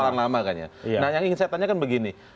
nah yang ingin saya tanyakan begini